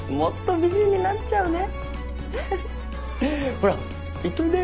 ほらいっといで。